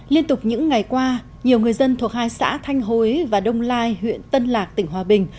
liên tục những ngày qua nhiều người dân thuộc hai xã thanh hối và đông lai huyện tân lạc tỉnh hòa bình